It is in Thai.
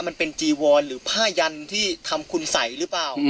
มันเป็นจีวอนหรือผ้ายันที่ทำคุณสัยหรือเปล่า